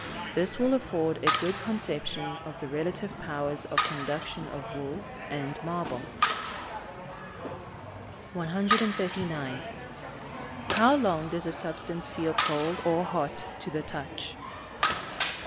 This will afford a good conception of the relative powers of conduction of wool and marble. 139. _How long does a substance feel cold or hot to the touch?